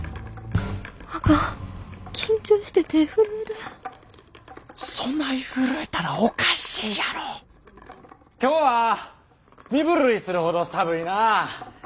あかん緊張して手震えるそない震えたらおかしいやろ今日は身震いするほど寒いなあ。